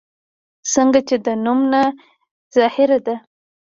څنګه چې د نوم نه ظاهره ده